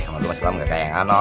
waduh mas kamu gak kayak yang ano